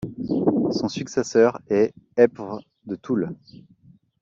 Son successeur est Epvre de Toul.